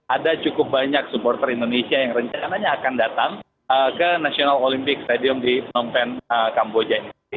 ada cukup banyak supporter indonesia yang rencananya akan datang ke national olympic stadium di phnom penh kamboja ini